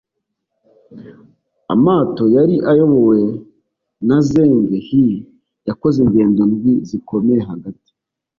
amato yari ayobowe na Zheng He yakoze ingendo ndwi zikomeye hagati